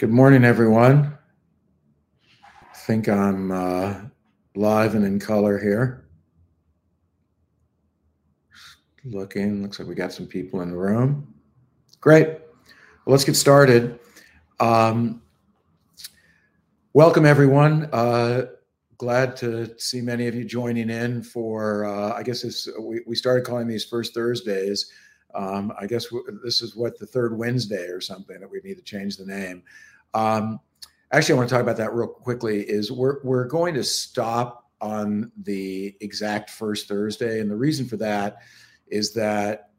Good morning, everyone. I think I'm live and in color here. Looks like we got some people in the room. Great. Let's get started. Welcome, everyone. Glad to see many of you joining in for, I guess, we started calling these first Thursdays. I guess this is what, the third Wednesday or something, that we need to change the name. Actually, I want to talk about that real quickly. We're going to stop on the exact first Thursday. The reason for that is that,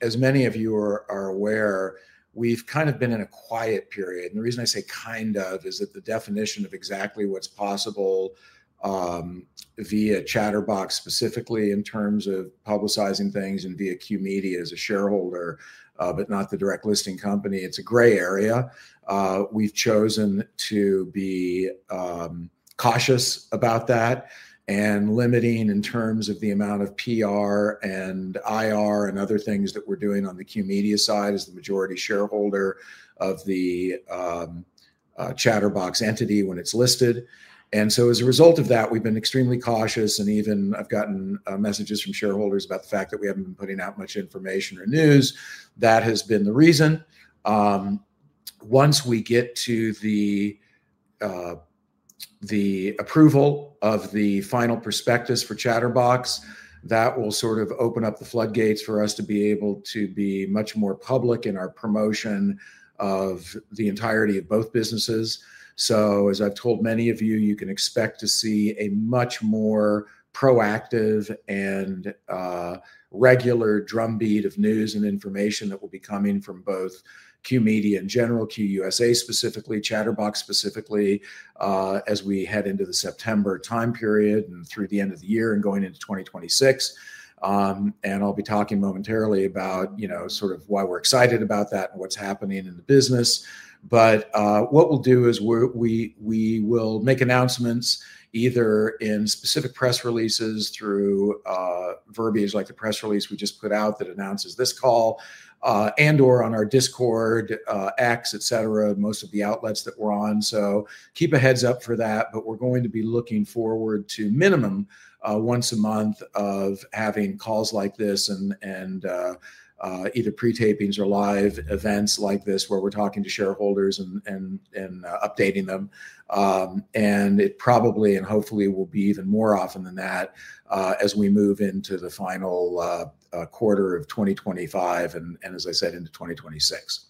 as many of you are aware, we've kind of been in a quiet period. The reason I say kind of is that the definition of exactly what's possible via Chtrbox, specifically in terms of publicizing things and via QYOU Media as a shareholder, but not the direct listing company, it's a gray area. We've chosen to be cautious about that and limiting in terms of the amount of PR and IR and other things that we're doing on the QYOU Media side as the majority shareholder of the Chtrbox entity when it's listed. As a result of that, we've been extremely cautious. Even I've gotten messages from shareholders about the fact that we haven't been putting out much information or news. That has been the reason. Once we get to the approval of the final prospectus for Chtrbox, that will sort of open up the floodgates for us to be able to be much more public in our promotion of the entirety of both businesses. As I've told many of you, you can expect to see a much more proactive and regular drumbeat of news and information that will be coming from both QYOU Media in general, QYOU USA specifically, Chtrbox specifically, as we head into the September time period and through the end of the year and going into 2026. I'll be talking momentarily about sort of why we're excited about that and what's happening in the business. What we'll do is we will make announcements either in specific press releases through verbiage like the press release we just put out that announces this call and/or on our Discord, X, et cetera, most of the outlets that we're on. Keep a heads up for that. We're going to be looking forward to minimum once a month of having calls like this and either pre-tapings or live events like this where we're talking to shareholders and updating them. It probably and hopefully will be even more often than that as we move into the final quarter of 2025 and, as I said, into 2026.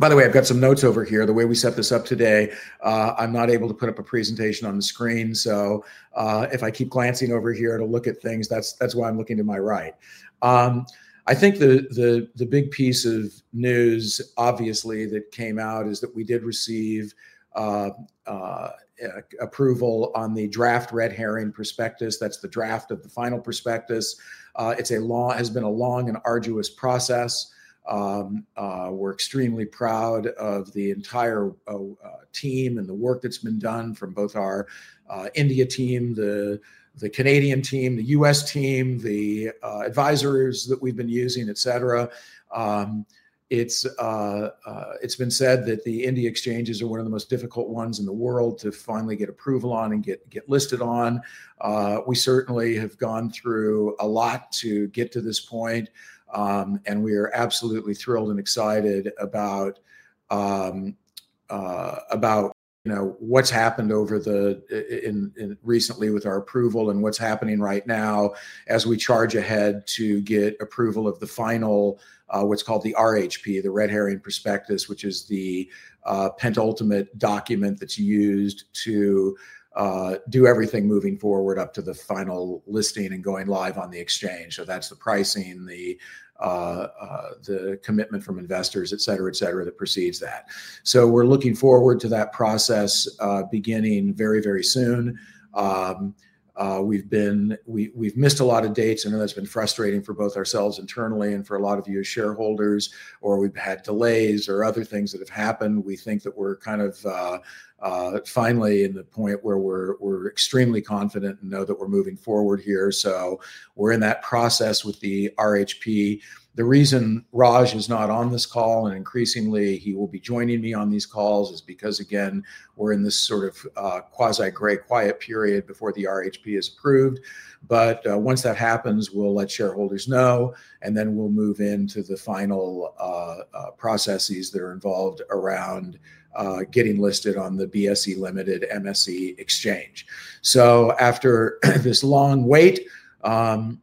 By the way, I've got some notes over here. The way we set this up today, I'm not able to put up a presentation on the screen. If I keep glancing over here to look at things, that's why I'm looking to my right. I think the big piece of news, obviously, that came out is that we did receive approval on the draft Red Herring Prospectus. That's the draft of the final prospectus. It has been a long and arduous process. We're extremely proud of the entire team and the work that's been done from both our India team, the Canadian team, the U.S. team, the advisors that we've been using, et cetera. It's been said that the India exchanges are one of the most difficult ones in the world to finally get approval on and get listed on. We certainly have gone through a lot to get to this point. We are absolutely thrilled and excited about what's happened recently with our approval and what's happening right now as we charge ahead to get approval of the final, what's called the RHP, the Red Herring Prospectus, which is the penultimate document that's used to do everything moving forward up to the final listing and going live on the exchange. That's the pricing, the commitment from investors, et cetera, et cetera, that precedes that. We're looking forward to that process beginning very, very soon. We've missed a lot of dates. I know that's been frustrating for both ourselves internally and for a lot of you as shareholders, or we've had delays or other things that have happened. We think that we're kind of finally in the point where we're extremely confident and know that we're moving forward here. We're in that process with the RHP. The reason Raj is not on this call and increasingly he will be joining me on these calls is because, again, we're in this sort of quasi gray quiet period before the RHP is approved. Once that happens, we'll let shareholders know. We will move into the final processes that are involved around getting listed on the BSE Limited MSE Exchange. After this long wait, the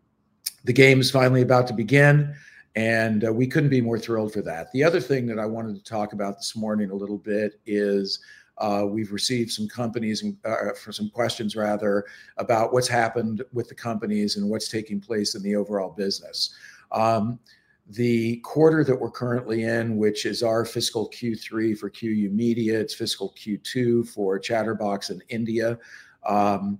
game is finally about to begin. We couldn't be more thrilled for that. The other thing that I wanted to talk about this morning a little bit is we've received some questions about what's happened with the companies and what's taking place in the overall business. The quarter that we're currently in, which is our fiscal Q3 for QYOU Media, it's fiscal Q2 for Chatterbox Technologies Private Ltd and India,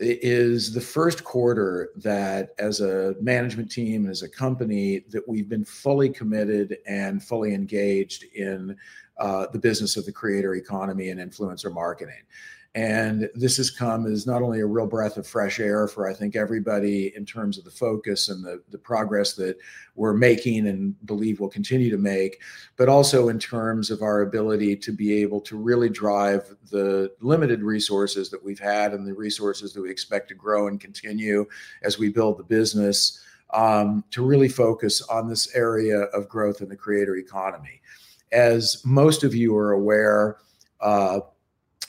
is the first quarter that, as a management team and as a company, we've been fully committed and fully engaged in the business of the creator economy and influencer marketing. This has come as not only a real breath of fresh air for, I think, everybody in terms of the focus and the progress that we're making and believe we'll continue to make, but also in terms of our ability to be able to really drive the limited resources that we've had and the resources that we expect to grow and continue as we build the business to really focus on this area of growth in the creator economy. As most of you are aware,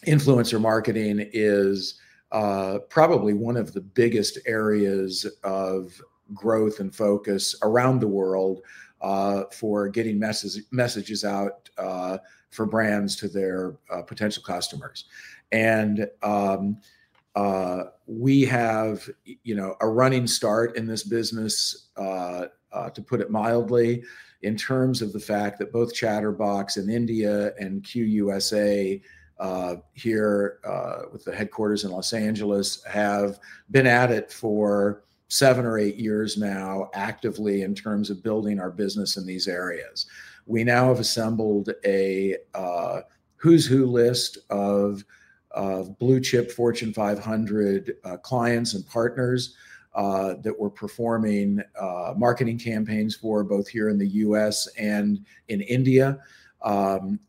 influencer marketing is probably one of the biggest areas of growth and focus around the world for getting messages out for brands to their potential customers. We have a running start in this business, to put it mildly, in terms of the fact that both Chatterbox Technologies Private Ltd and India and QYOU USA here with the headquarters in Los Angeles have been at it for seven or eight years now actively in terms of building our business in these areas. We now have assembled a who's who list of blue chip Fortune 500 clients and partners that we're performing marketing campaigns for both here in the U.S. and in India.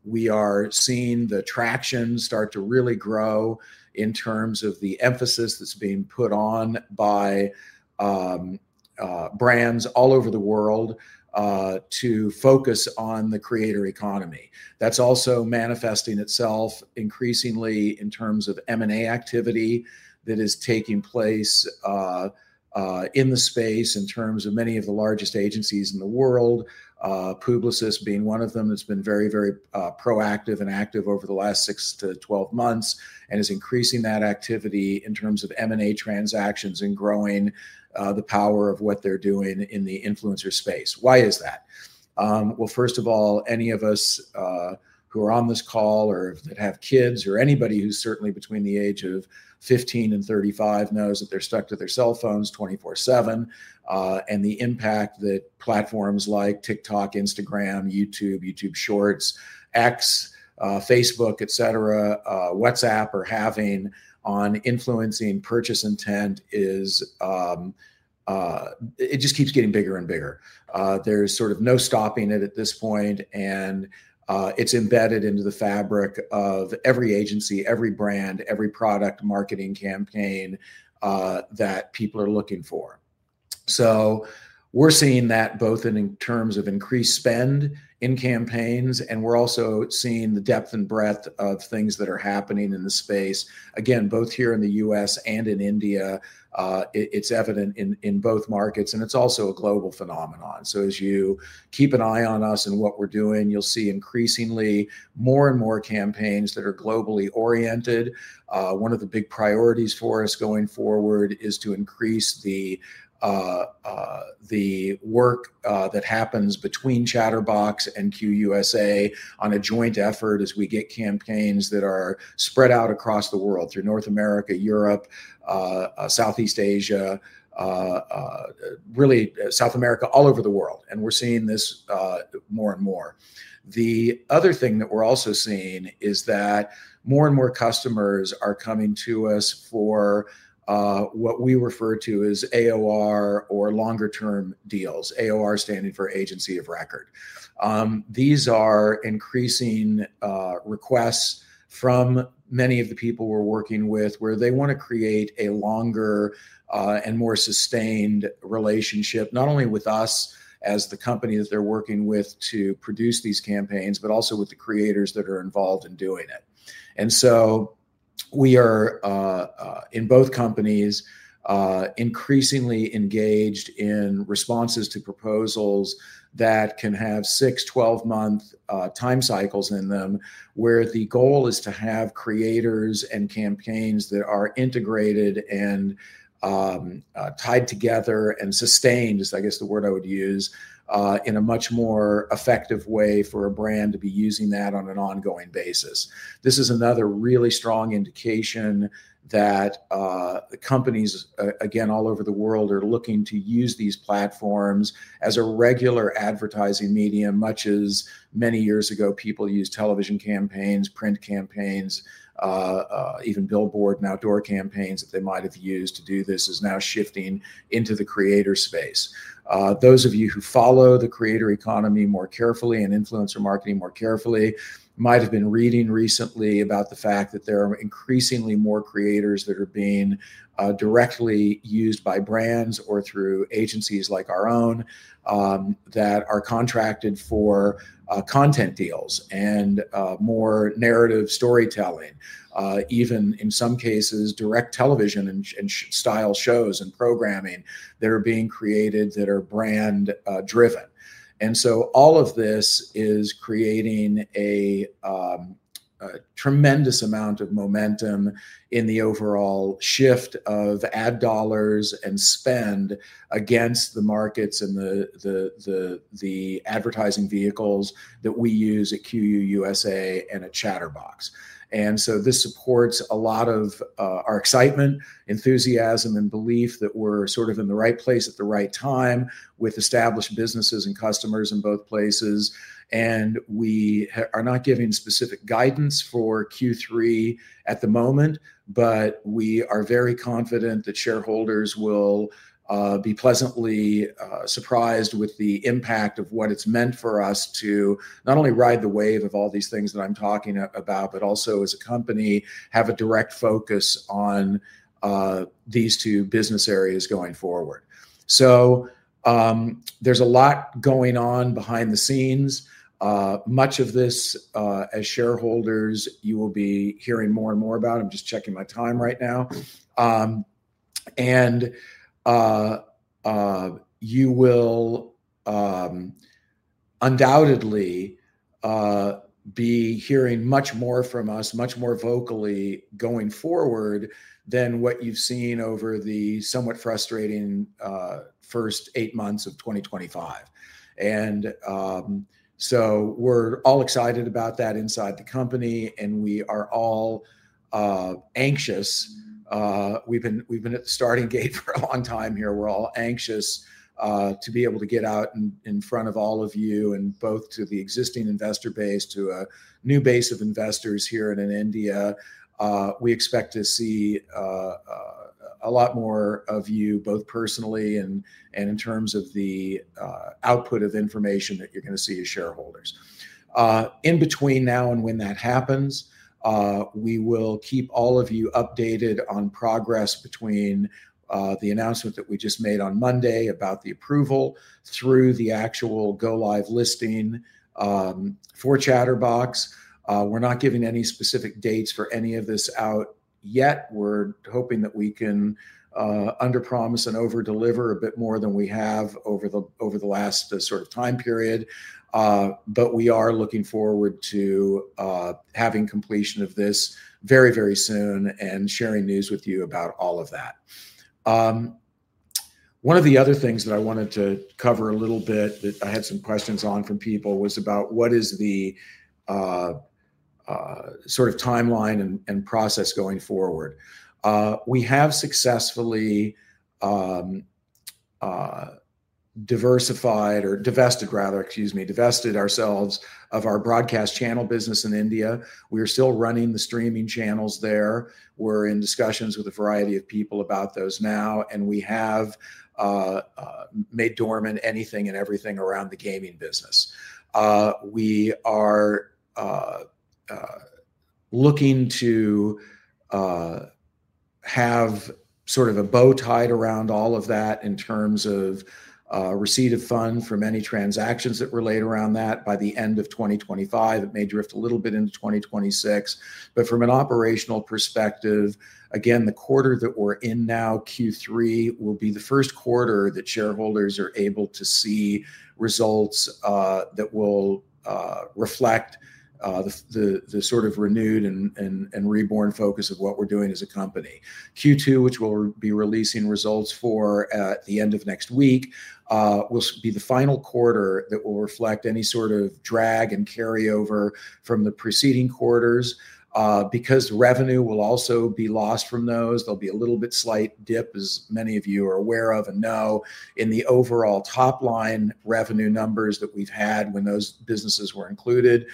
We are seeing the traction start to really grow in terms of the emphasis that's being put on by brands all over the world to focus on the creator economy. That's also manifesting itself increasingly in terms of M&A activity that is taking place in the space in terms of many of the largest agencies in the world, Publicis being one of them that's been very, very proactive and active over the last 6 to 12 months and is increasing that activity in terms of M&A transactions and growing the power of what they're doing in the influencer space. Why is that? First of all, any of us who are on this call or that have kids or anybody who's certainly between the age of 15 and 35 knows that they're stuck to their cell phones 24/7. The impact that platforms like TikTok, Instagram, YouTube, YouTube Shorts, X, Facebook, WhatsApp are having on influencing purchase intent is it just keeps getting bigger and bigger. There's sort of no stopping it at this point. It's embedded into the fabric of every agency, every brand, every product marketing campaign that people are looking for. We're seeing that both in terms of increased spend in campaigns, and we're also seeing the depth and breadth of things that are happening in the space. Again, both here in the U.S. and in India, it's evident in both markets. It's also a global phenomenon. As you keep an eye on us and what we're doing, you'll see increasingly more and more campaigns that are globally oriented. One of the big priorities for us going forward is to increase the work that happens between Chatterbox Technologies Private Ltd and QYOU USA on a joint effort as we get campaigns that are spread out across the world through North America, Europe, Southeast Asia, really South America, all over the world. We're seeing this more and more. The other thing that we're also seeing is that more and more customers are coming to us for what we refer to as AOR or longer-term deals, AOR standing for Agency of Record. These are increasing requests from many of the people we're working with where they want to create a longer and more sustained relationship, not only with us as the company that they're working with to produce these campaigns, but also with the creators that are involved in doing it. We are, in both companies, increasingly engaged in responses to proposals that can have 6, 12-month time cycles in them, where the goal is to have creators and campaigns that are integrated and tied together and sustained, is I guess the word I would use, in a much more effective way for a brand to be using that on an ongoing basis. This is another really strong indication that the companies, again, all over the world are looking to use these platforms as a regular advertising medium, much as many years ago people used television campaigns, print campaigns, even billboard and outdoor campaigns that they might have used to do. This is now shifting into the creator space. Those of you who follow the creator economy more carefully and influencer marketing more carefully might have been reading recently about the fact that there are increasingly more creators that are being directly used by brands or through agencies like our own that are contracted for content deals and more narrative storytelling, even in some cases direct television and style shows and programming that are being created that are brand-driven. All of this is creating a tremendous amount of momentum in the overall shift of ad dollars and spend against the markets and the advertising vehicles that we use at QYOU USA and at Chatterbox Technologies Private Ltd. This supports a lot of our excitement, enthusiasm, and belief that we're sort of in the right place at the right time with established businesses and customers in both places. We are not giving specific guidance for Q3 at the moment, but we are very confident that shareholders will be pleasantly surprised with the impact of what it's meant for us to not only ride the wave of all these things that I'm talking about, but also as a company have a direct focus on these two business areas going forward. There is a lot going on behind the scenes. Much of this, as shareholders, you will be hearing more and more about. I'm just checking my time right now. You will undoubtedly be hearing much more from us, much more vocally going forward than what you've seen over the somewhat frustrating first eight months of 2025. We are all excited about that inside the company, and we are all anxious. We've been at the starting gate for a long time here. We're all anxious to be able to get out in front of all of you and both to the existing investor base, to a new base of investors here in India. We expect to see a lot more of you both personally and in terms of the output of information that you're going to see as shareholders. In between now and when that happens, we will keep all of you updated on progress between the announcement that we just made on Monday about the approval through the actual go live listing for Chatterbox Technologies Private Ltd. We're not giving any specific dates for any of this out yet. We're hoping that we can under-promise and over-deliver a bit more than we have over the last sort of time period. We are looking forward to having completion of this very, very soon and sharing news with you about all of that. One of the other things that I wanted to cover a little bit that I had some questions on from people was about what is the sort of timeline and process going forward. We have successfully diversified or divested, rather, excuse me, divested ourselves of our broadcast channel business in India. We are still running the streaming channels there. We're in discussions with a variety of people about those now. We have made dormant anything and everything around the gaming business. We are looking to have sort of a bow tied around all of that in terms of receipt of funds from any transactions that relate around that by the end of 2025. It may drift a little bit into 2026. From an operational perspective, again, the quarter that we're in now, Q3, will be the first quarter that shareholders are able to see results that will reflect the sort of renewed and reborn focus of what we're doing as a company. Q2, which we'll be releasing results for at the end of next week, will be the final quarter that will reflect any sort of drag and carryover from the preceding quarters because revenue will also be lost from those. There'll be a little bit slight dip, as many of you are aware of and know, in the overall top line revenue numbers that we've had when those businesses were included.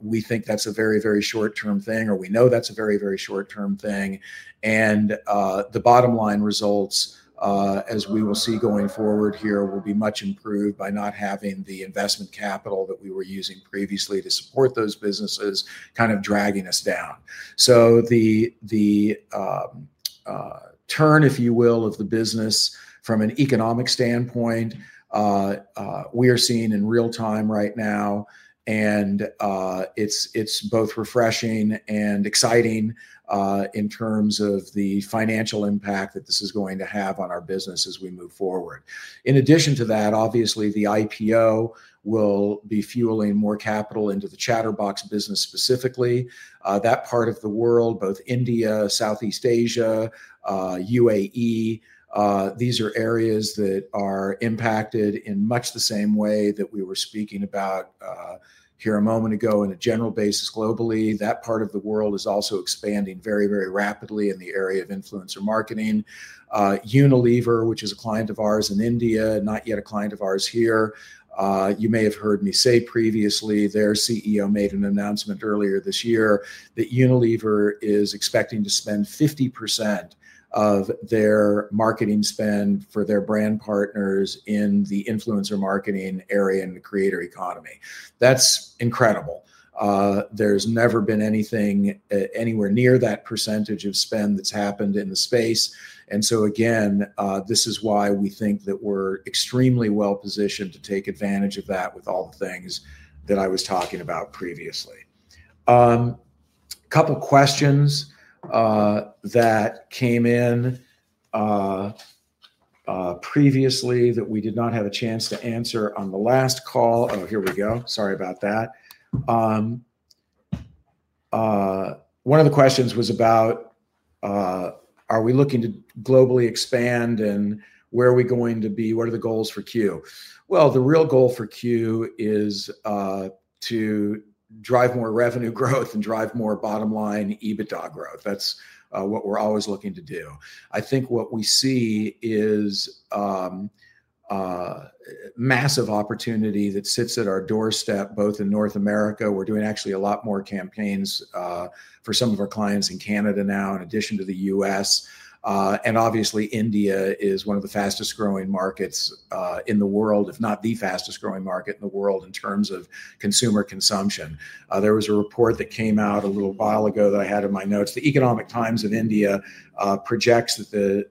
We think that's a very, very short-term thing, or we know that's a very, very short-term thing. The bottom line results, as we will see going forward here, will be much improved by not having the investment capital that we were using previously to support those businesses kind of dragging us down. The turn, if you will, of the business from an economic standpoint, we are seeing in real time right now. It's both refreshing and exciting in terms of the financial impact that this is going to have on our business as we move forward. In addition to that, obviously, the IPO will be fueling more capital into the Chatterbox business specifically. That part of the world, both India, Southeast Asia, UAE, these are areas that are impacted in much the same way that we were speaking about here a moment ago in a general basis globally. That part of the world is also expanding very, very rapidly in the area of influencer marketing. Unilever, which is a client of ours in India, not yet a client of ours here, you may have heard me say previously, their CEO made an announcement earlier this year that Unilever is expecting to spend 50% of their marketing spend for their brand partners in the influencer marketing area in the creator economy. That's incredible. There's never been anything anywhere near that % of spend that's happened in the space. This is why we think that we're extremely well positioned to take advantage of that with all the things that I was talking about previously. A couple of questions that came in previously that we did not have a chance to answer on the last call. One of the questions was about, are we looking to globally expand and where are we going to be? What are the goals for Q? The real goal for Q is to drive more revenue growth and drive more bottom line EBITDA growth. That's what we're always looking to do. I think what we see is a massive opportunity that sits at our doorstep both in North America. We're doing actually a lot more campaigns for some of our clients in Canada now in addition to the U.S. Obviously, India is one of the fastest growing markets in the world, if not the fastest growing market in the world in terms of consumer consumption. There was a report that came out a little while ago that I had in my notes. The Economic Times of India projects that the,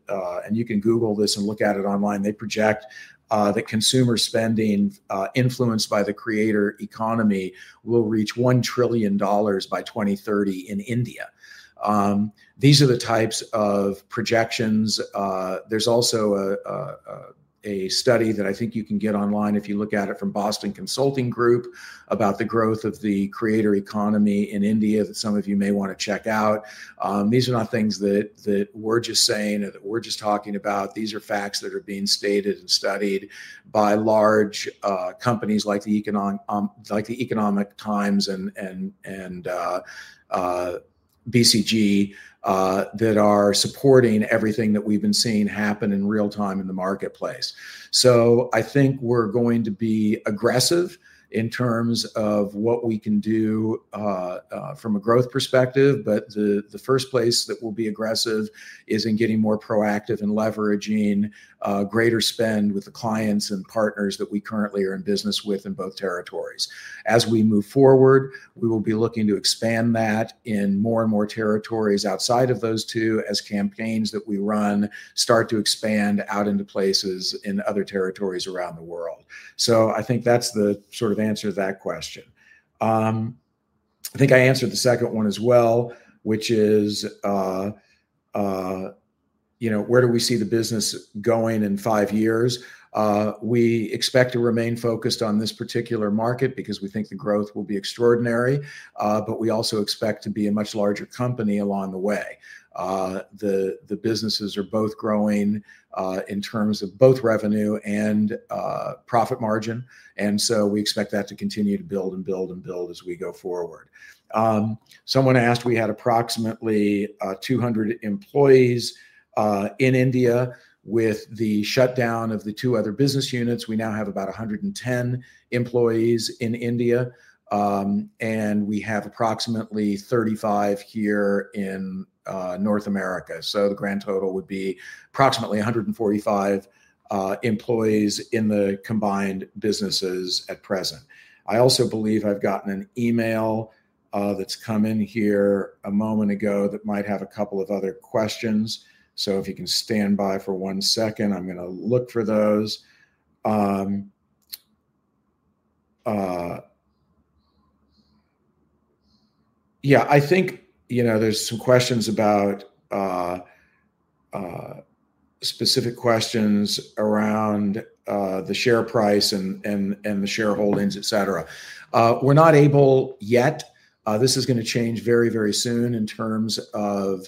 and you can Google this and look at it online, they project that consumer spending influenced by the creator economy will reach $1 trillion by 2030 in India. These are the types of projections. There's also a study that I think you can get online if you look at it from Boston Consulting Group about the growth of the creator economy in India that some of you may want to check out. These are not things that we're just saying or that we're just talking about. These are facts that are being stated and studied by large companies like The Economic Times and Boston Consulting Group that are supporting everything that we've been seeing happen in real time in the marketplace. I think we're going to be aggressive in terms of what we can do from a growth perspective. The first place that we'll be aggressive is in getting more proactive and leveraging greater spend with the clients and partners that we currently are in business with in both territories. As we move forward, we will be looking to expand that in more and more territories outside of those two as campaigns that we run start to expand out into places in other territories around the world. I think that's the sort of answer to that question. I think I answered the second one as well, which is, you know, where do we see the business going in five years? We expect to remain focused on this particular market because we think the growth will be extraordinary. We also expect to be a much larger company along the way. The businesses are both growing in terms of both revenue and profit margin. We expect that to continue to build and build and build as we go forward. Someone asked we had approximately 200 employees in India. With the shutdown of the two other business units, we now have about 110 employees in India. We have approximately 35 here in North America. The grand total would be approximately 145 employees in the combined businesses at present. I also believe I've gotten an email that's come in here a moment ago that might have a couple of other questions. If you can stand by for one second, I'm going to look for those. I think, you know, there's some questions about specific questions around the share price and the shareholdings, etc. We're not able yet. This is going to change very, very soon in terms of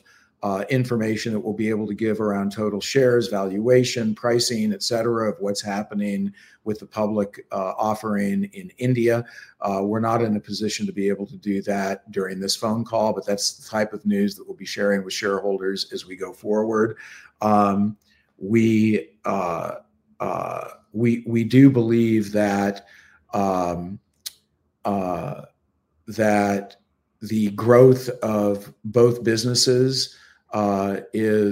information that we'll be able to give around total shares, valuation, pricing, etc., of what's happening with the public offering in India. We're not in a position to be able to do that during this phone call, but that's the type of news that we'll be sharing with shareholders as we go forward. We do believe that the growth of both businesses is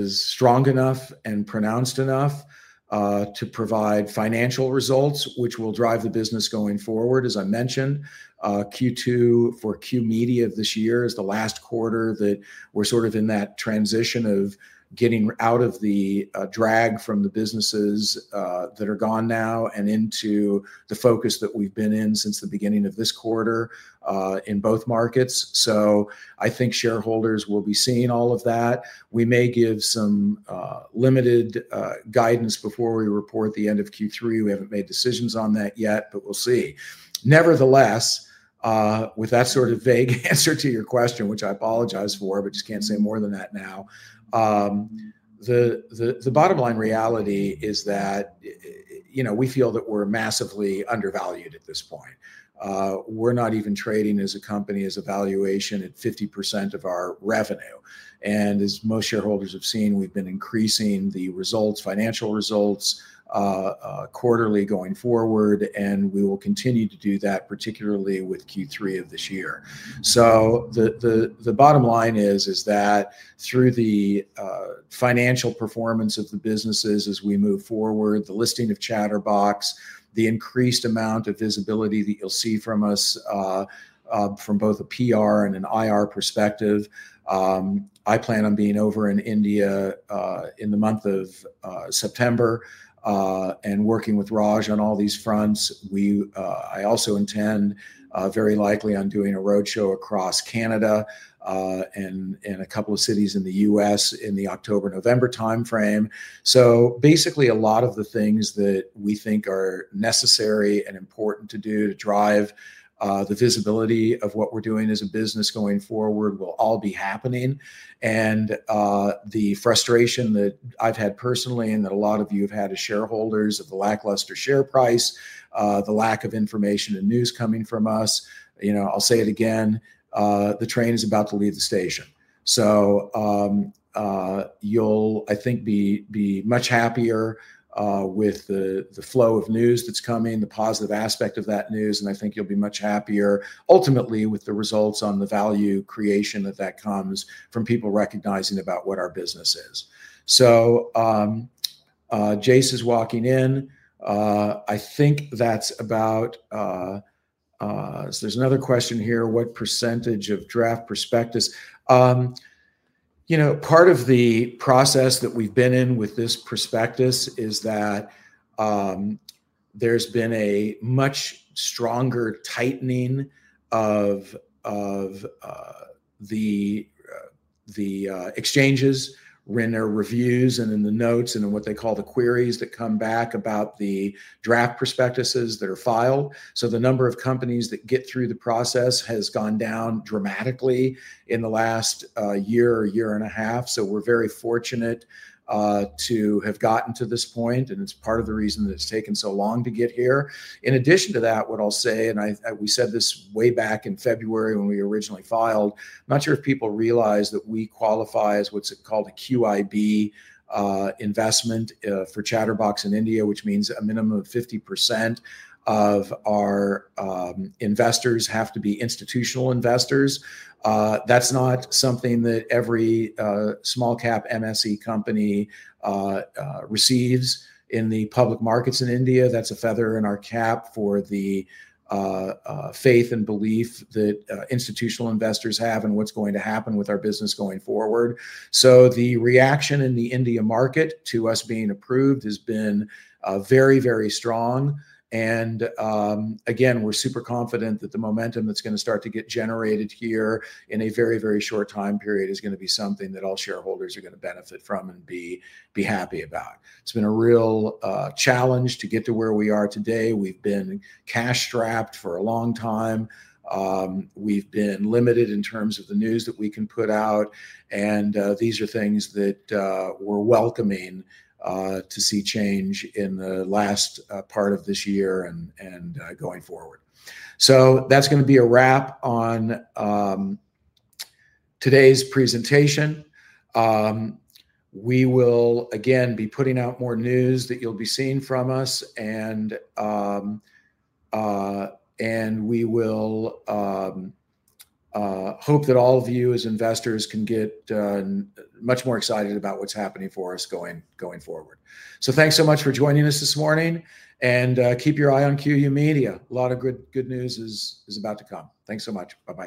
strong enough and pronounced enough to provide financial results, which will drive the business going forward. As I mentioned, Q2 for QYOU Media of this year is the last quarter that we're sort of in that transition of getting out of the drag from the businesses that are gone now and into the focus that we've been in since the beginning of this quarter in both markets. I think shareholders will be seeing all of that. We may give some limited guidance before we report the end of Q3. We haven't made decisions on that yet, but we'll see. Nevertheless, with that sort of vague answer to your question, which I apologize for, but just can't say more than that now, the bottom line reality is that, you know, we feel that we're massively undervalued at this point. We're not even trading as a company as a valuation at 50% of our revenue. As most shareholders have seen, we've been increasing the results, financial results quarterly going forward, and we will continue to do that, particularly with Q3 of this year. The bottom line is that through the financial performance of the businesses as we move forward, the listing of Chatterbox, the increased amount of visibility that you'll see from us from both a PR and an IR perspective, I plan on being over in India in the month of September and working with Raj on all these fronts. I also intend very likely on doing a roadshow across Canada and a couple of cities in the U.S. in the October-November timeframe. Basically, a lot of the things that we think are necessary and important to do to drive the visibility of what we're doing as a business going forward will all be happening. The frustration that I've had personally and that a lot of you have had as shareholders of the lackluster share price, the lack of information and news coming from us, I'll say it again, the train is about to leave the station. I think you'll be much happier with the flow of news that's coming, the positive aspect of that news, and I think you'll be much happier ultimately with the results on the value creation that comes from people recognizing what our business is. Jace is walking in. There's another question here, what percentage of draft prospectus? Part of the process that we've been in with this prospectus is that there's been a much stronger tightening of the exchanges when there are reviews and in the notes and in what they call the queries that come back about the draft Red Herring Prospectus that are filed. The number of companies that get through the process has gone down dramatically in the last year or year and a half. We're very fortunate to have gotten to this point, and it's part of the reason that it's taken so long to get here. In addition to that, what I'll say, and we said this way back in February when we originally filed, I'm not sure if people realize that we qualify as what's called a QIB investment for Chatterbox Technologies Private Ltd in India, which means a minimum of 50% of our investors have to be institutional investors. That's not something that every small-cap MSE company receives in the public markets in India. That's a feather in our cap for the faith and belief that institutional investors have in what's going to happen with our business going forward. The reaction in the India market to us being approved has been very, very strong. We're super confident that the momentum that's going to start to get generated here in a very, very short time period is going to be something that all shareholders are going to benefit from and be happy about. It's been a real challenge to get to where we are today. We've been cash strapped for a long time. We've been limited in terms of the news that we can put out. These are things that we're welcoming to see change in the last part of this year and going forward. That's going to be a wrap on today's presentation. We will again be putting out more news that you'll be seeing from us. We hope that all of you as investors can get much more excited about what's happening for us going forward. Thank you so much for joining us this morning. Keep your eye on QYOU Media. A lot of good news is about to come. Thank you so much. Bye-bye.